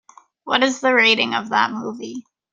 What is the rating of that movie?